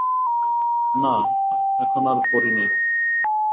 না, এখন আর পড়ি নে।